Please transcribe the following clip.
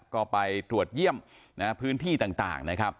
ก็ไปตรวจเยี่ยมพื้นที่ต่างนะครับ